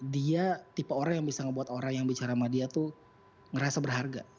dia tipe orang yang bisa ngebuat orang yang bicara sama dia tuh ngerasa berharga